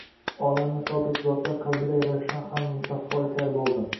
Olamni sodiq zotlar qalbiday ravshan ham musaffo etar bo‘ldi.